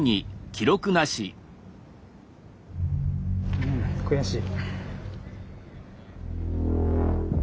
うん悔しい。